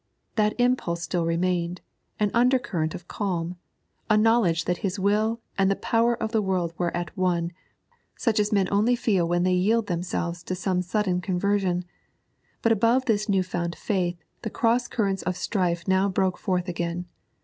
That impulse still remained, an under current of calm, a knowledge that his will and the power of the world were at one, such as men only feel when they yield themselves to some sudden conversion; but above this new found faith the cross currents of strife now broke forth again.